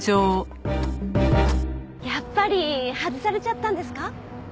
やっぱり外されちゃったんですか？